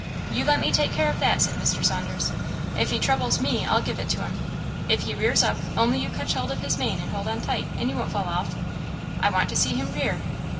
"You let me take care of that," said Mr. Saunders; "if he troubles me, I'll give it to him! If he rears up, only you catch hold of his mane and hold on tight, and you won't fall off; I want to see him rear."